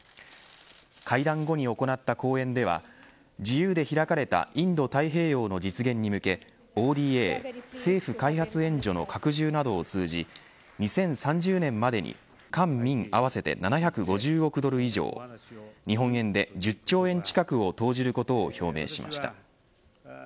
会談後に行った講演では自由で開かれたインド太平洋の実現に向けＯＤＡ政府開発援助の拡充などを通じ２０３０年までに官民合わせて７５０億ドル以上日本円で１０兆円近くを投じることを表明しました。